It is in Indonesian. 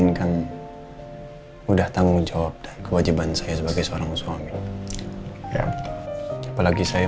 akan mudah tanggung jawab dan kewajiban saya sebagai seorang suami ya apalagi saya